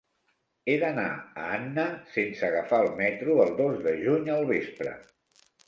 He d'anar a Anna sense agafar el metro el dos de juny al vespre.